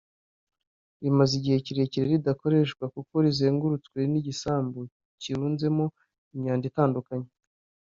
rimaze igihe kirekire ridakoreshwa kuko rizengurutswe n’igisambu kirunzemo imyanda itandukanye